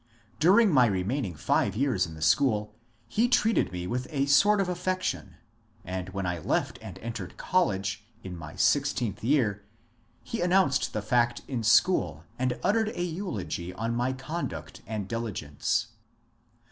During my remaining five years in the school he treated me with a sort of affection, and when I left and entered college, in my sixteenth year, he announced the fact in school, and uttered a eulogy on my conduct and diligence.